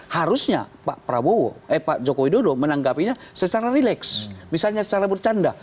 harusnya pak jokowi dulu menanggapinya secara rileks misalnya secara bercanda